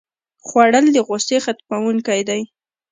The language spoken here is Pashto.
خوړل د غوسې ختموونکی دی